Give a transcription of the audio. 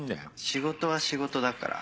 仕事は仕事だから。